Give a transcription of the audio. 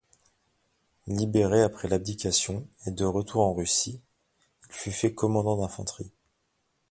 Libéré après l'abdication et de retour en Russie, il fut fait commandant du d'infanterie.